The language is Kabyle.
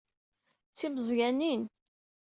D timeẓyanin.